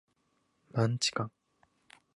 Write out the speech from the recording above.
マンチカン